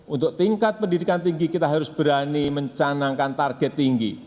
untuk tingkat pendidikan tinggi kita harus berani mencanangkan target tinggi